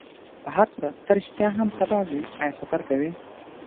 په هرصورت، ته رښتیا هم سبا ځې؟ آیا سفر کوې؟